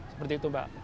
seperti itu pak